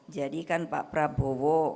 jadi kan pak prabowo